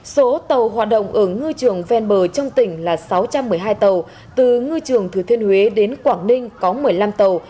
số tàu hoạt động ở ngư trường ven bờ trong tỉnh là sáu trăm một mươi hai tàu từ ngư trường thừa thiên huế đến quảng ninh có một mươi năm tàu